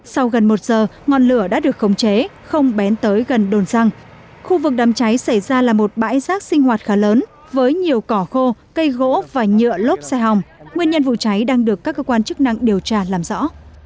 sau gần một giờ ngọn lửa đã được khống chế không bén tới gần đồn răng khu vực đám cháy xảy ra là một bãi rác sinh hoạt khá lớn với nhiều cỏ khô cây gỗ và nhựa lốp xe hồng nguyên nhân vụ cháy đang được các cơ quan chức năng điều tra làm rõ